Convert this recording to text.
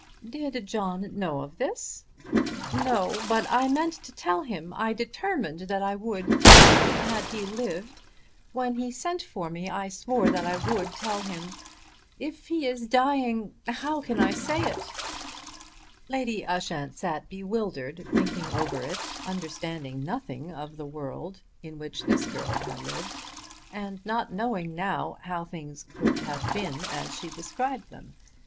"Did John know of this?" "No; but I meant to tell him. I determined that I would tell him had he lived. When he sent for me I swore that I would tell him. If he is dying, how can I say it?" Lady Ushant sat bewildered, thinking over it, understanding nothing of the world in which this girl had lived, and not knowing now how things could have been as she described them.